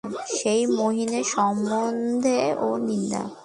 সেই মহিনের সম্বন্ধেও নিন্দা!